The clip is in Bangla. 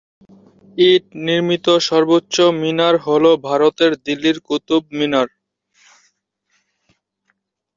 ইট নির্মিত সর্বোচ্চ মিনার হল ভারতের দিল্লির কুতুব মিনার।